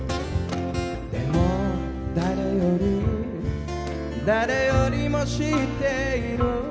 「でも誰より誰よりも知っている」